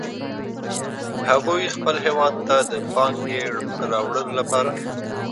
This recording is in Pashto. هغوی خپل هیواد ته د پانګې راوړلو لپاره